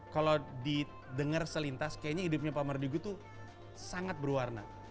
kalau didenger selintas kayaknya hidupnya pak mardi gue tuh sangat berwarna